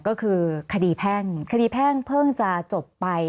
ก็คือคดีแพ่งคดีแพ่งเพิ่งจะจบไป